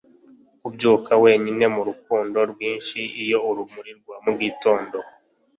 kubyuka wenyine murukundo rwinshi iyo urumuri rwa mugitondo